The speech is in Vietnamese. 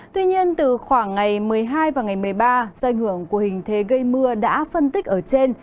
tuy nhiên từ khoảng ngày một mươi hai và ngày một mươi ba do ảnh hưởng của hình thế gây mưa đã phân tích ở trên